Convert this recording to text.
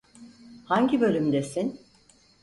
Hangi bölümdesin?